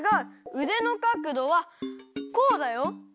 うでのかくどはこうだよ。